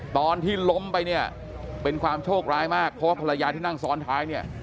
ตอนที่ล้มไปเนี่ยเป็นความโชคร้ายมากเพราะว่าภรรยาที่นั่งซ้อนท้ายเนี่ย